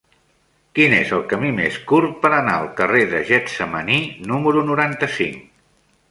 Quin és el camí més curt per anar al carrer de Getsemaní número noranta-cinc?